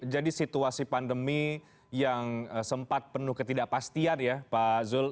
jadi situasi pandemi yang sempat penuh ketidakpastian ya pak zul